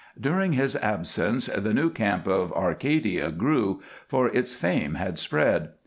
During his absence the new camp of Arcadia grew, for its fame had spread.